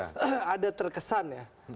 kita melihat ada terkesan ya